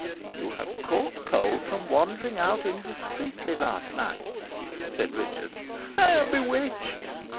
"You have caught cold from wandering out indiscreetly last night," said Richard. "I am bewitched!"